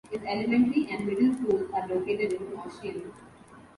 Its elementary and middle schools are located in Ossian.